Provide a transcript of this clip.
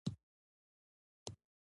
طبیعي تېل وېښتيان تغذیه کوي.